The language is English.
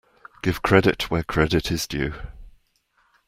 Give credit where credit is due.